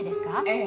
ええ。